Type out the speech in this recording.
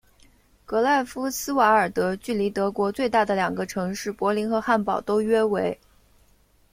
格赖夫斯瓦尔德距离德国最大的两个城市柏林和汉堡都约为。